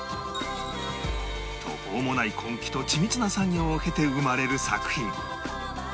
途方もない根気と緻密な作業を経て生まれる作品